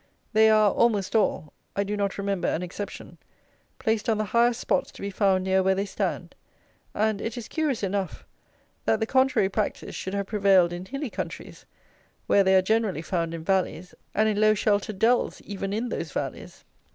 They are, almost all (I do not remember an exception), placed on the highest spots to be found near where they stand; and, it is curious enough, that the contrary practice should have prevailed in hilly countries, where they are generally found in valleys and in low, sheltered dells, even in those valleys!